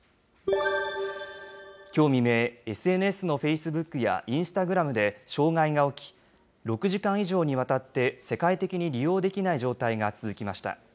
きょう未明、ＳＮＳのフェイスブックやインスタグラムで障害が起き、６時間以上にわたって世界的に利用できない状態が続きました。